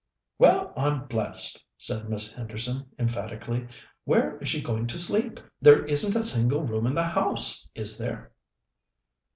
"Well, I'm blessed!" said Miss Henderson emphatically. "Where is she going to sleep? There isn't a single room in the house, is there?"